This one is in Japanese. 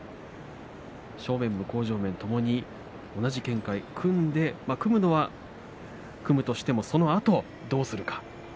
正面、向正面ともに同じ見解組むのは組むとしてもそのあとどうするか。